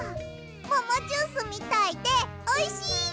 ももジュースみたいでおいしい！